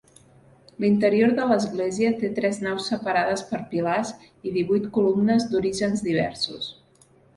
L'interior de l'església té tres naus separades per pilars i divuit columnes d'orígens diversos.